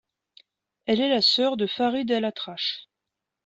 Elle est la sœur de Farid El Atrache.